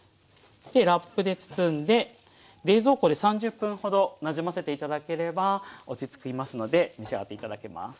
ラップで包んで冷蔵庫で３０分ほどなじませて頂ければ落ち着きますので召し上がって頂けます。